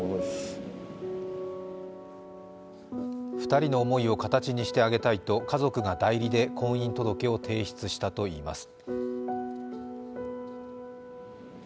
２人の思いを形にしてあげたいと、家族が代理で婚姻届を提出したといいます。